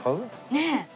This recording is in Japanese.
ねえ。